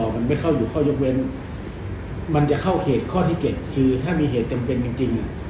มันไม่เข้าอยู่ข้อยกเว้นมันจะเข้าเขตข้อที่๗คือถ้ามีเหตุจำเป็นจริง